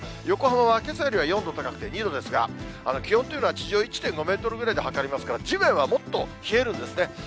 横浜はけさよりは４度高くて２度ですが、気温というのは地上１．５メートルぐらいで測りますから、地面はもっと冷えるんですね。